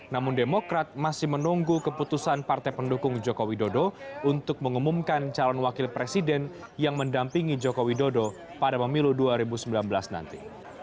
namun demokrat masih menunggu keputusan partai pendukung jokowi dodo untuk mengumumkan calon wakil presiden yang mendampingi joko widodo pada pemilu dua ribu sembilan belas nanti